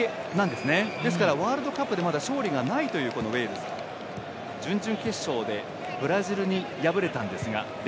ですから、ワールドカップでまだ勝利がないというウェールズ。準々決勝でブラジルに敗れて０対１。